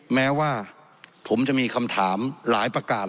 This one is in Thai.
แม้ว่าผมจะมีคำถามหลายประการ